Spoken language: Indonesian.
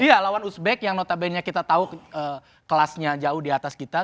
iya lawan uzbek yang notabene kita tahu kelasnya jauh di atas kita